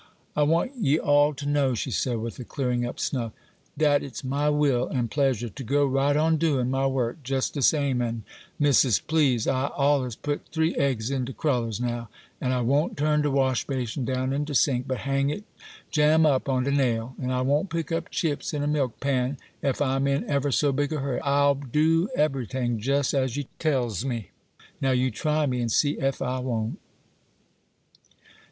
'I want ye all to know,' she said, with a clearing up snuff, 'dat it's my will 'an pleasure to go right on doin' my work jes' de same; an', Missis, please, I'll allers put three eggs in de crullers, now; an' I won't turn de wash basin down in de sink, but hang it jam up on de nail; an' I won't pick up chips in a milkpan, ef I'm in ever so big a hurry;—I'll do eberyting jes' as ye tells me. Now you try me and see ef I won't!